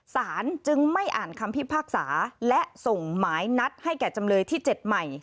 สารจึงไม่อ่านคำพิพากษาและส่งหมายนัดให้แก่จำเลยที่๗ใหม่